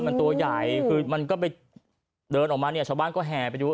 มันตัวใหญ่คือมันก็ไปเดินออกมาเนี่ยชาวบ้านก็แห่ไปดู